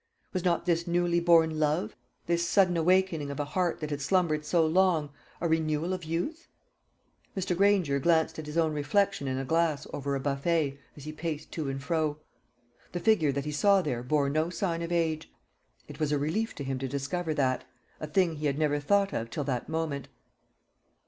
Was not this newly born love, this sudden awakening of a heart that had slumbered so long, a renewal of youth? Mr. Granger glanced at his own reflection in a glass over a buffet, as he paced to and fro. The figure that he saw there bore no sign of age. It was a relief to him to discover that a thing he had never thought of till that moment.